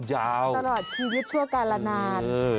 ตลอดชีวิตชั่วกาลนาน